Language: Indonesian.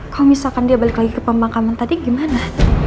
kalau misalkan dia balik lagi ke pemakaman tadi gimana